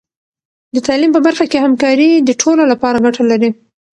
د تعلیم په برخه کې همکاري د ټولو لپاره ګټه لري.